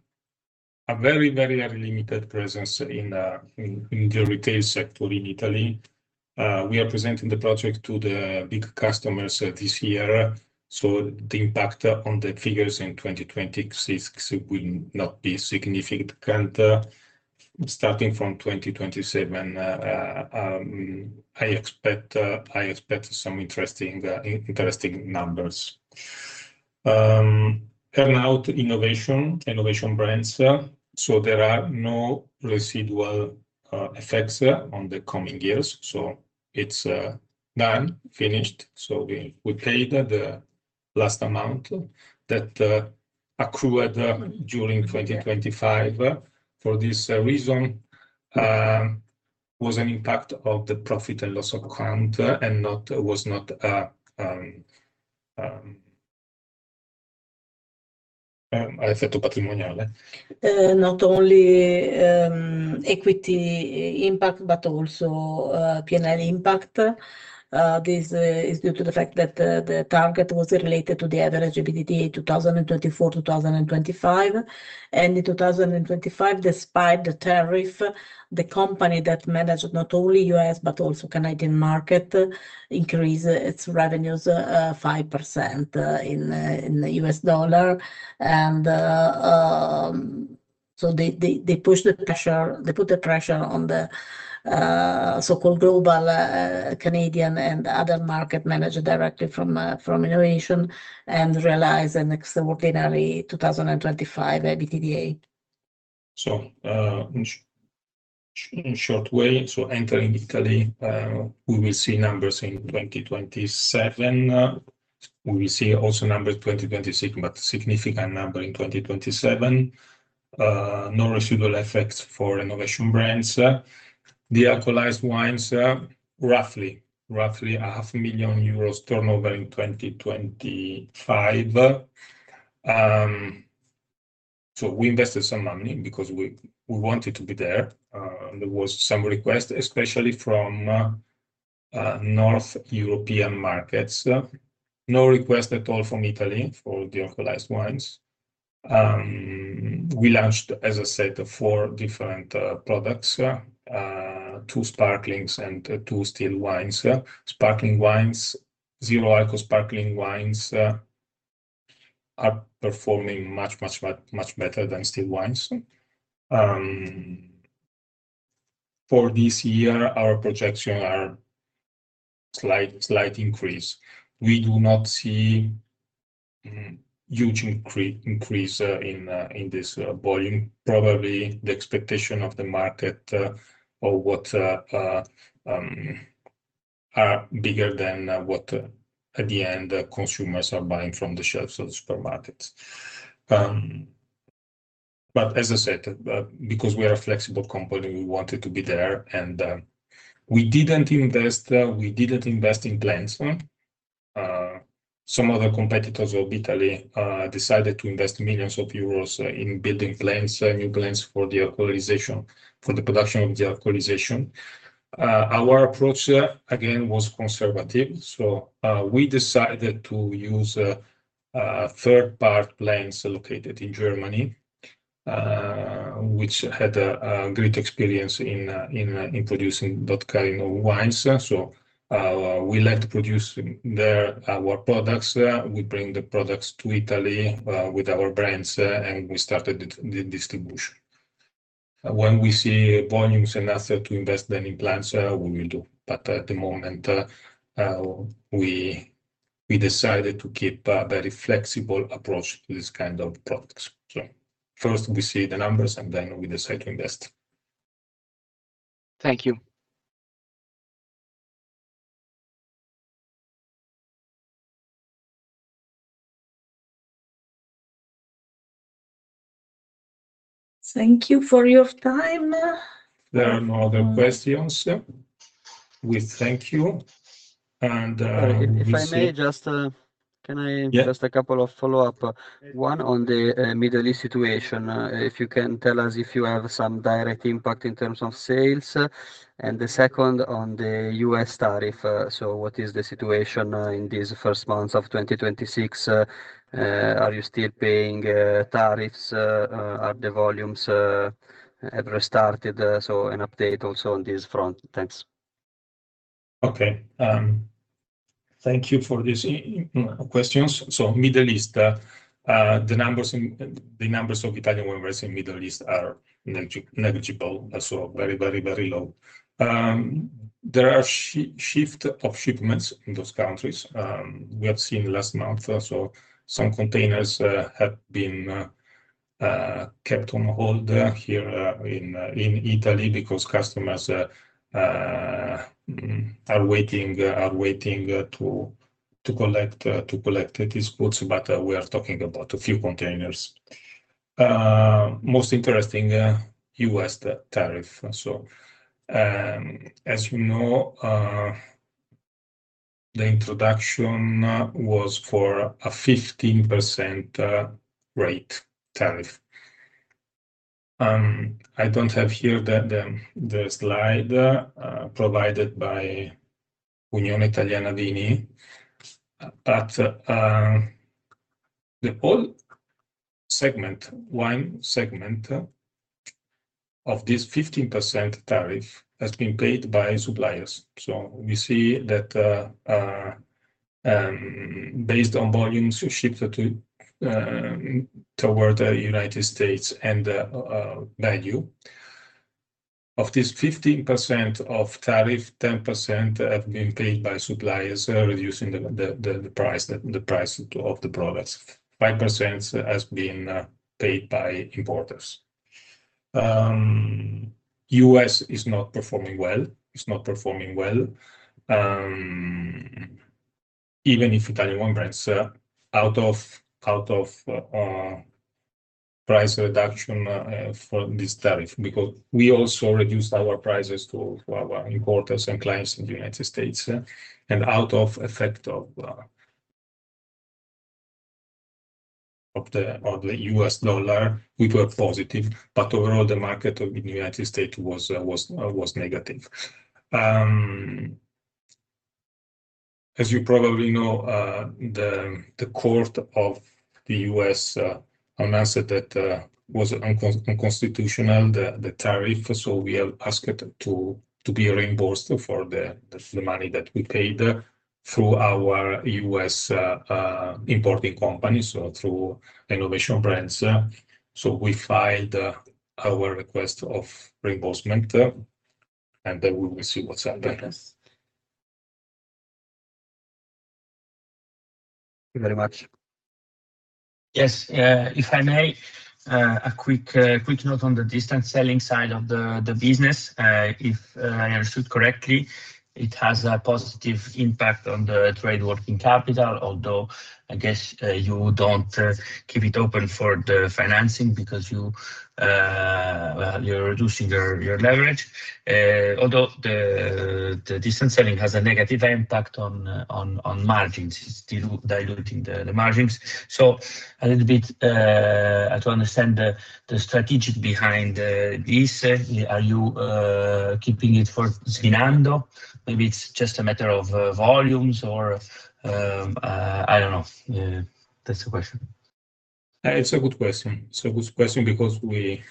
S1: a very limited presence in the retail sector in Italy. We are presenting the project to the big customers this year. The impact on the figures in 2026 will not be significant. Starting from 2027, I expect some interesting numbers. Earn-out Enovation Brands, there are no residual effects on the coming years. It's done, finished. We paid the last amount that accrued during 2025. For this reason, there was an impact on the profit and loss account.
S2: Not only equity impact, but also P&L impact. This is due to the fact that the target was related to the average EBITDA 2024, 2025. In 2025, despite the tariff, the company that managed not only U.S., but also Canadian market increased its revenues 5% in US dollar. They put the pressure on the so-called global Canadian and other market manager directly from Enovation and realized an extraordinary 2025 EBITDA.
S1: In short way, entering Italy, we will see numbers in 2027. We will see also numbers 2026, but significant number in 2027. No residual effects for Enovation Brands. The dealcoholized wines, roughly 500,000 euros turnover in 2025. We invested some money because we wanted to be there. There was some request, especially from North European markets. No request at all from Italy for the dealcoholized wines. We launched, as I said, four different products, two sparklings and two still wines. Sparkling wines, zero alcohol sparkling wines, are performing much better than still wines. For this year, our projection are slight increase. We do not see huge increase in this volume. Probably the expectations of the market or whatever are bigger than what the end consumers are buying from the shelves of the supermarkets. As I said, because we are a flexible company, we wanted to be there and we didn't invest in plants. Some other competitors in Italy decided to invest millions of EUR in building plants, new plants for the dealcoholization, for the production of the dealcoholization. Our approach, again, was conservative. We decided to use third-party plants located in Germany, which had a great experience in producing dealcoholized wines. We like to produce there our products. We bring the products to Italy with our brands, and we started the distribution. When we see volumes enough to invest then in plants, we will do. At the moment, we decided to keep a very flexible approach to this kind of products. First we see the numbers and then we decide to invest.
S6: Thank you.
S2: Thank you for your time.
S1: There are no other questions. We thank you and we see-
S7: If I may just, can I
S1: Yeah
S7: Just a couple of follow-up. One on the Middle East situation, if you can tell us if you have some direct impact in terms of sales. The second on the U.S. tariff, what is the situation in these first months of 2026? Are you still paying tariffs? Have the volumes restarted? An update also on this front. Thanks.
S1: Thank you for these questions. Middle East, the numbers of Italian wines in Middle East are negligible, so very low. There are shift of shipments in those countries, we have seen last month. Some containers have been kept on hold here in Italy because customers are waiting to collect these goods. We are talking about a few containers. Most interesting, U.S. tariff. As you know, the introduction was for a 15% rate tariff. I don't have here the slide provided by Unione Italiana Vini. The whole segment, wine segment of this 15% tariff has been paid by suppliers. We see that, based on volumes shipped toward the United States and the value of this 15% tariff, 10% have been paid by suppliers, reducing the price of the products. 5% has been paid by importers. U.S. is not performing well. It's not performing well, even if Italian Wine Brands are out of price reduction for this tariff. Because we also reduced our prices to our importers and clients in the United States. Out of effect of the U.S. dollar, we were positive. Overall, the market of the United States was negative. As you probably know, the court of the U.S. announced that was unconstitutional, the tariff. We have asked to be reimbursed for the money that we paid through our U.S. importing company, so through Enovation Brands. We filed our request of reimbursement, and then we will see what's happening.
S7: Thank you very much.
S8: Yes. If I may, a quick note on the distance selling side of the business. If I understood correctly, it has a positive impact on the trade working capital, although I guess you don't keep it open for the financing because, well, you're reducing your leverage. Although the distance selling has a negative impact on margins. It's still diluting the margins. A little bit, I want to understand the strategy behind this. Are you keeping it for Svinando? Maybe it's just a matter of volumes or I don't know. That's the question.
S1: It's a good question. It's a good question because we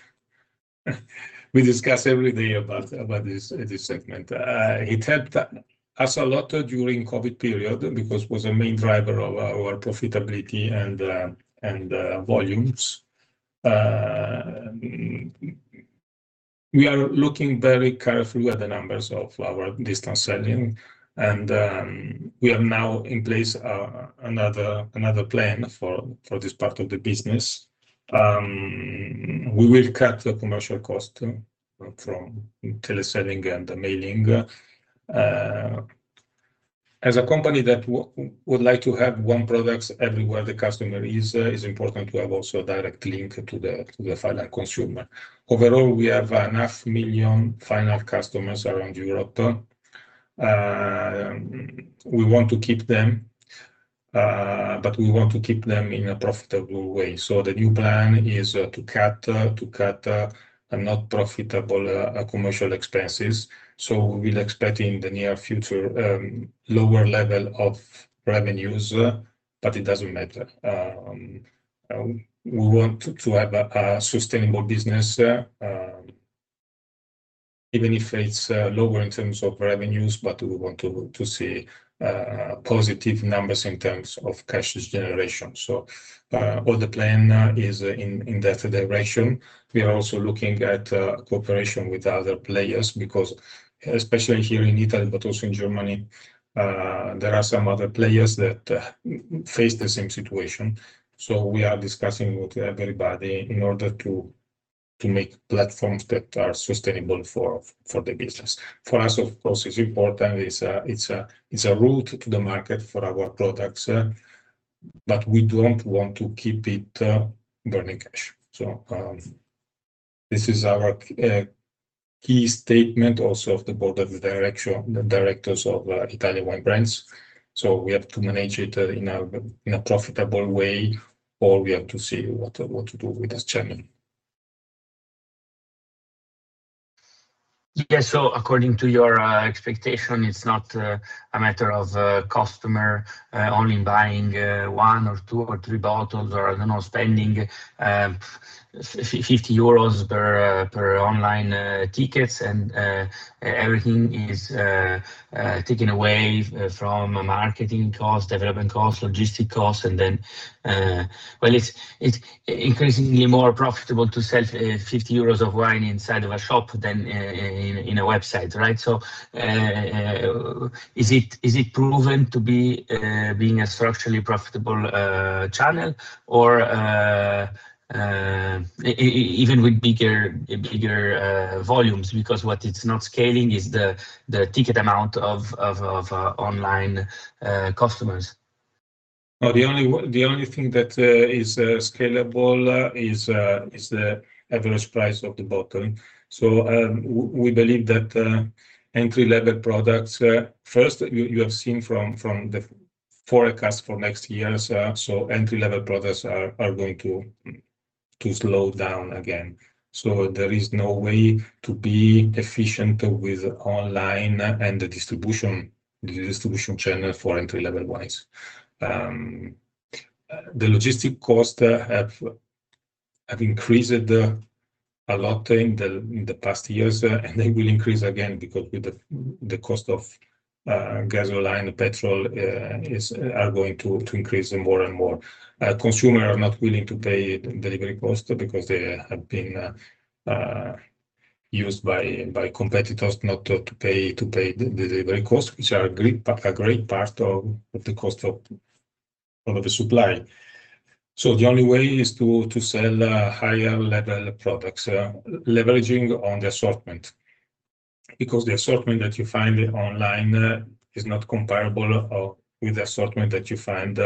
S1: discuss every day about this segment. It helped us a lot during COVID period because it was a main driver of our profitability and volumes. We are looking very carefully at the numbers of our distance selling and we have now in place another plan for this part of the business. We will cut the commercial cost from teleselling and the mailing. As a company that would like to have our products everywhere the customer is, it is important to have also a direct link to the final consumer. Overall, we have half million final customers around Europe. We want to keep them, but we want to keep them in a profitable way. The new plan is to cut not profitable commercial expenses. We'll expect in the near future lower level of revenues, but it doesn't matter. We want to have a sustainable business even if it's lower in terms of revenues, but we want to see positive numbers in terms of cash generation. All the plan is in that direction. We are also looking at cooperation with other players because especially here in Italy, but also in Germany, there are some other players that face the same situation. We are discussing with everybody in order to make platforms that are sustainable for the business. For us, of course, it's important. It's a route to the market for our products, but we don't want to keep it burning cash. This is our key statement also of the directors of Italian Wine Brands. We have to manage it in a profitable way, or we have to see what to do with this channel.
S8: Yeah. According to your expectation, it's not a matter of customer only buying 1 or 2 or 3 bottles or, I don't know, spending 50 euros per online tickets and everything is taken away from marketing costs, development costs, logistic costs, and then. Well, it's increasingly more profitable to sell 50 euros of wine inside of a shop than in a website, right? Is it proven to be being a structurally profitable channel or even with bigger volumes? Because what it's not scaling is the ticket amount of online customers.
S1: No, the only thing that is scalable is the average price of the bottle. We believe that, first, you have seen from the forecast for next year, entry-level products are going to slow down again. There is no way to be efficient with online and the distribution channel for entry-level wines. The logistics costs have increased a lot in the past years, and they will increase again because the cost of gasoline, petrol are going to increase more and more. Consumers are not willing to pay delivery costs because they have been used by competitors not to pay the delivery costs, which are a great part of the cost of the supply. The only way is to sell higher level products leveraging on the assortment because the assortment that you find online is not comparable with the assortment that you find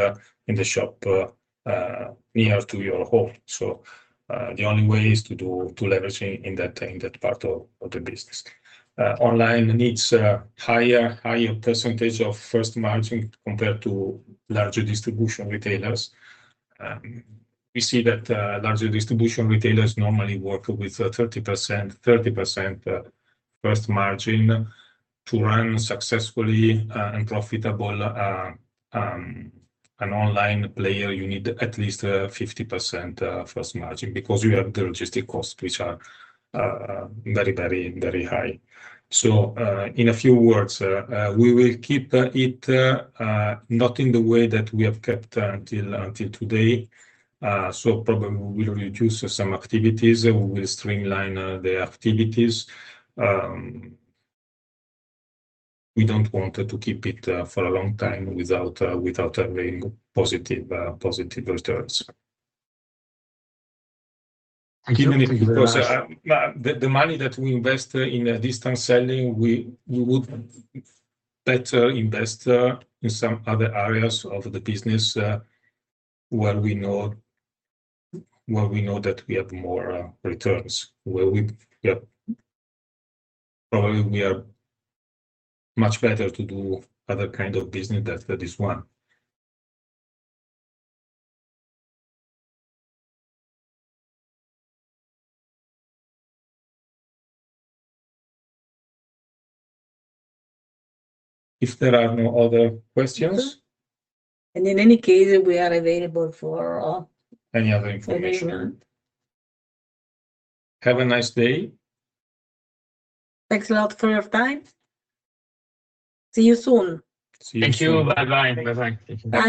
S1: in the shop near to your home. The only way is to leverage in that part of the business. Online needs a higher percentage of gross margin compared to larger distribution retailers. We see that larger distribution retailers normally work with 30% gross margin. To run successfully and profitably an online player, you need at least 50% gross margin because you have the logistics costs, which are very high. In a few words, we will keep it not in the way that we have kept until today. Probably we will reduce some activities, we will streamline the activities. We don't want to keep it for a long time without having positive returns.
S8: Thank you.
S1: Because the money that we invest in the distance selling, we would better invest in some other areas of the business, where we know that we have more returns, where probably we are much better to do other kind of business than this one. If there are no other questions.
S2: In any case, we are available for.
S1: Any other information.
S2: Available.
S1: Have a nice day.
S2: Thanks a lot for your time. See you soon.
S1: See you soon.
S8: Thank you. Bye-bye.
S1: Bye-bye. Thank you.
S2: Bye